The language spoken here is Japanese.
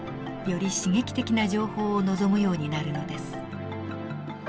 より刺激的な情報を望むようになるのです。